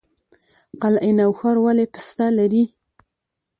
قلعه نو ښار ولې پسته لري؟